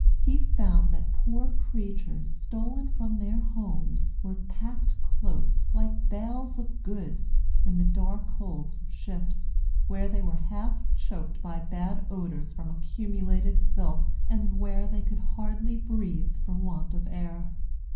He found that poor creatures stolen from their homes were packed close, like bales of goods, in the dark holds of ships, where they were half choked by bad odors from accumulated filth, and where they could hardly breathe for want of air.